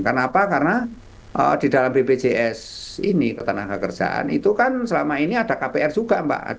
kenapa karena di dalam bpjs ini ketenaga kerjaan itu kan selama ini ada kpr juga mbak